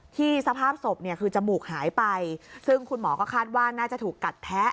สภาพศพเนี่ยคือจมูกหายไปซึ่งคุณหมอก็คาดว่าน่าจะถูกกัดแทะ